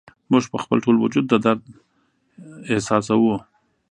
موږ په خپل ټول وجود درد احساسوو